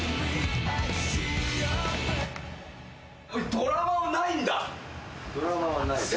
ドラマはないです。